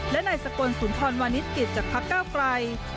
และนายสกลสุนทรวานิสกิจจากพักเก้าไกล